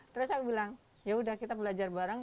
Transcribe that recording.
terus aku bilang ya udah kita belajar bareng